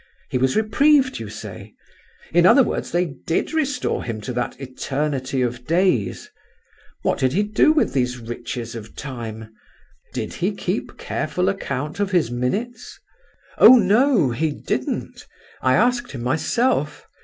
He was reprieved, you say; in other words, they did restore to him that 'eternity of days.' What did he do with these riches of time? Did he keep careful account of his minutes?" "Oh no, he didn't! I asked him myself.